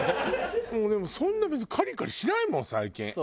でもそんな別にカリカリしないもん最近。